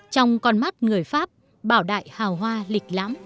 trong con mắt người pháp bảo đại hào hoa lịch lãm